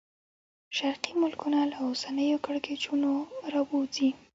شرقي ملکونه له اوسنیو کړکېچونو راووځي.